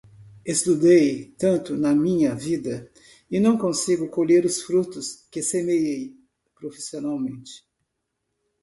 Estudei tanto na minha vida, e não consigo colher os frutos que semeei, profissionalmente.